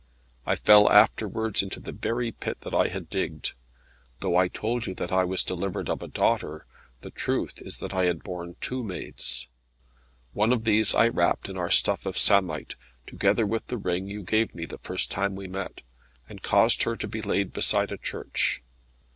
I fell afterwards into the very pit that I had digged. Though I told you that I was delivered of a daughter, the truth is that I had borne two maids. One of these I wrapped in our stuff of samite, together with the ring you gave me the first time we met, and caused her to be laid beside a church.